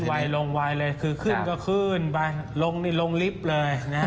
ขึ้นไวลงไวเลยคือขึ้นก็ขึ้นลงลิฟต์เลย